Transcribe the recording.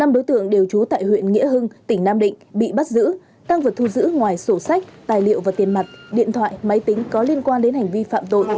năm đối tượng đều trú tại huyện nghĩa hưng tỉnh nam định bị bắt giữ tăng vật thu giữ ngoài sổ sách tài liệu và tiền mặt điện thoại máy tính có liên quan đến hành vi phạm tội